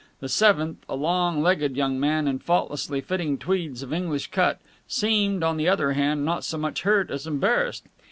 The seventh, a long legged young man in faultlessly fitting tweeds of English cut, seemed, on the other hand, not so much hurt as embarrassed.